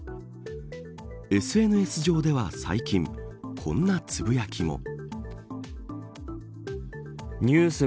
ＳＮＳ上では最近こんなつぶやきも。